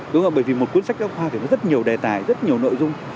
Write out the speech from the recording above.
đúng không bởi vì một cuốn sách giáo khoa thì có rất nhiều đề tài rất nhiều nội dung